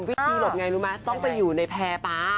วิธีหลบไงรู้ไหมต้องไปอยู่ในแพร่ปลา